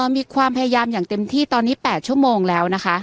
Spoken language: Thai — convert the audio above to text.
มีความพยายามอย่างเต็มที่ตอนนี้๘ชั่วโมงแล้วนะคะ